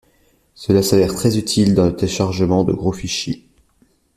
Cela s'avère très utile dans le téléchargement de gros fichiers.